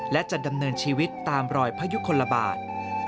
และจะดำเนินชีวิตตามรอยพยุคลบาท